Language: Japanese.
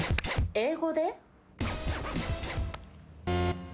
英語で？